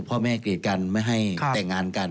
พ่อแม่เกลียดกันไม่ให้แต่งงานกัน